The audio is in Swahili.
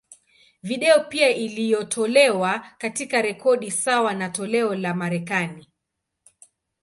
Video pia iliyotolewa, katika rekodi sawa na toleo la Marekani.